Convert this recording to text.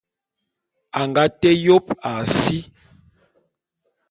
A nga té yôp a si.